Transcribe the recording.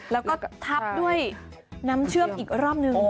แล้วก็ทับด้วยน้ำเชื่อมอีกรอบนึง